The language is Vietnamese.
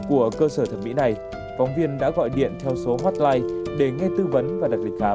của cơ sở thẩm mỹ này phóng viên đã gọi điện theo số hotline để nghe tư vấn và đặt lịch khám